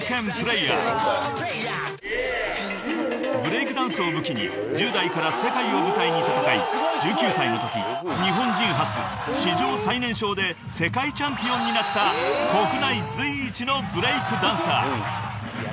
［ブレイクダンスを武器に１０代から世界を舞台に戦い１９歳のとき日本人初史上最年少で世界チャンピオンになった国内随一のブレイクダンサー］